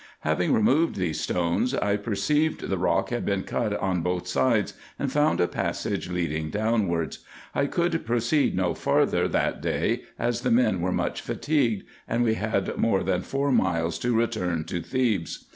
Having removed these stones, I perceived the rock had been cut on both sides, and found a passage leading downwards. I could proceed no farther that day, as the men were much fatigued, and we had more than four miles to return to Thebes.